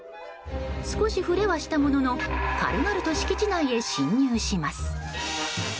少し触れはしたものの軽々と敷地内へ侵入します。